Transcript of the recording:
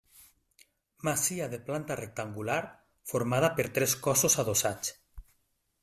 Masia de planta rectangular formada per tres cossos adossats.